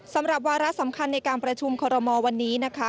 สำหรับวาระสำคัญในการประชุมคอรมอลวันนี้นะคะ